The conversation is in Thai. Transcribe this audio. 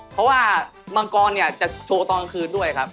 เพราะว่ามังกรจะโชว์ตลางคืนด้วยครับ